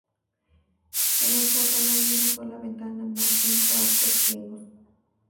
En el zócalo hay una sola ventana más cinco arcos ciegos.